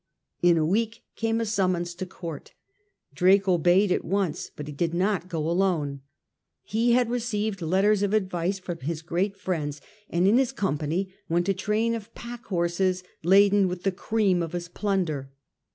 In a week came a summons to Court. Drake obeyed at once, but he did not go alone. He had received letters of advice from his great friends, and in his com pany went a train of pack horses laden with the cream of his plunder.